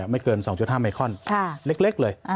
ไม่เกิน๒๕ไมคอนเล็กเลย